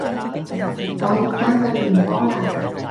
我要返去練波喇